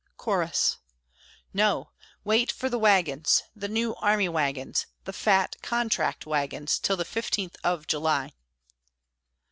Chorus No! wait for the wagons, The new army wagons, The fat contract wagons, Till the fifteenth of July.